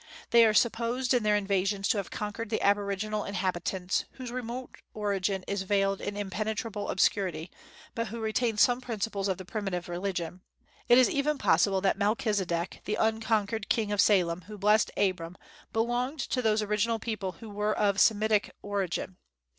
They are supposed in their invasions to have conquered the aboriginal inhabitants, whose remote origin is veiled in impenetrable obscurity, but who retained some principles of the primitive religion. It is even possible that Melchizedek, the unconquered King of Salem, who blessed Abram, belonged to those original people who were of Semitic origin.